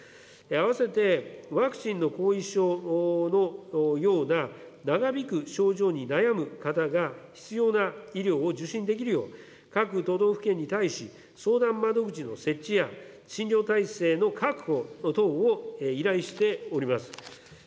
合わせて、ワクチンの後遺症のような長引く症状に悩む方が必要な医療を受診できるよう、各都道府県に対し、相談窓口の設置や、診療体制の確保等を依頼しております。